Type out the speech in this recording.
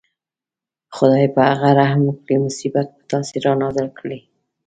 خدای په هغه رحم وکړي مصیبت په تاسې رانازل کړي.